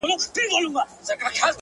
• دا دریاب دی موږ ته پاته دي مزلونه ,